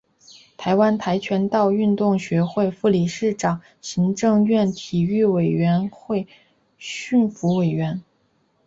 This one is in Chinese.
台湾跆拳道运动学会副理事长行政院体育委员会训辅委员